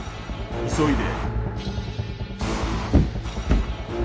急いで！